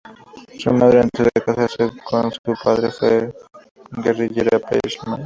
Su madre, antes de casarse con su padre, fue guerrillera Peshmerga.